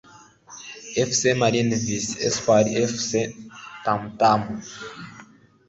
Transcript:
Fc Marines vs Espoir Fc (Tam Tam)